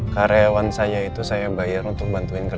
karyawan saya itu saya bayar untuk bantuin kamu